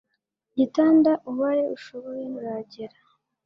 igitanda ubaye ushoboye wagera